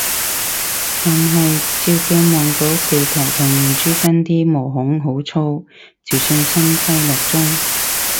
但係照鏡望到鼻頭同面珠墩啲毛孔好粗，自信心低落中